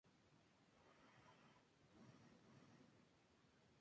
Fue inicialmente creada por el Prof.